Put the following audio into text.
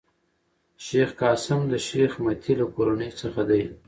شېخ قاسم د شېخ مني له کورنۍ څخه دﺉ.